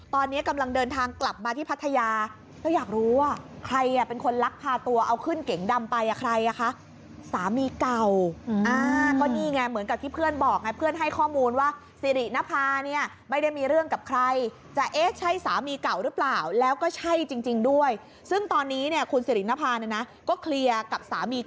ตอนนี้กำลังเดินทางกลับมาที่พัทยา